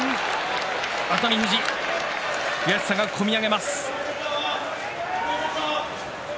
熱海富士、悔しさが込み上げます。